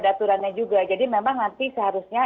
aturannya juga jadi memang nanti seharusnya